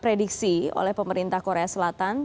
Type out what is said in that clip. prediksi oleh pemerintah korea selatan